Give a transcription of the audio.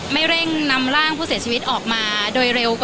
ไม่เร่งนำร่างผู้เสียชีวิตออกมาโดยเร็วกว่านี้